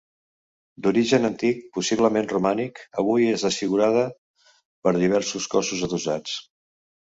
D'origen antic, possiblement romànic, avui és desfigurada per diversos cossos adossats.